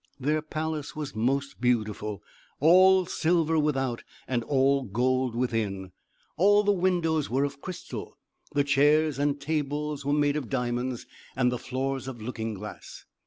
Their palace was most beautiful, all silver without, and all gold within. All the windows were of crystal; the chairs and tables were made of diamonds, and the floors of looking glass.